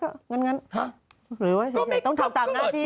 ทั้งรอบนั้นหรือว่าต้องทำตามงานไซม์สิ